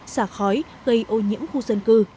xả khói gây ô nhiễm khu dân cư